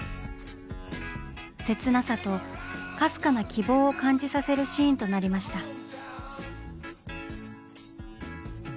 切なさとかすかな希望を感じさせるシーンとなりました。